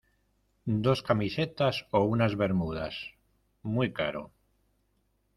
dos camisetas o unas bermudas. muy caro .